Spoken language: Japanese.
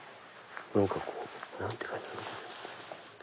何かこう何て書いてある？